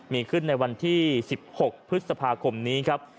มีขึ้นในวันที่๑๖พฤษภาคมนี้ครับ